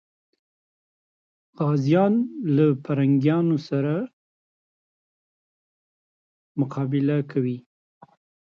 پرنګیان د غازيانو سره مقابله کوي.